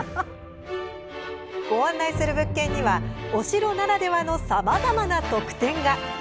ご案内する物件にはお城ならではのさまざまな特典が。